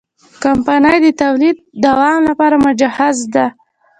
کمپنۍ د تولید دوام لپاره مجهزه ده.